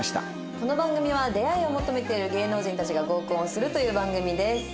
この番組は出会いを求めている芸能人たちが合コンをするという番組です。